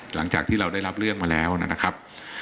หลังจากที่เราได้รับเรื่องมาแล้วนะครับ